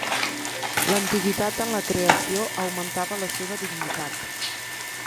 L'antiguitat en la creació augmentava la seva dignitat.